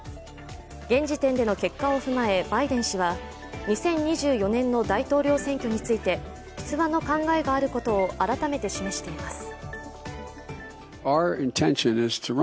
現時点での結果を踏まえバイデン氏は２０２４年の大統領選挙について出馬の考えがあることを改めて示しています。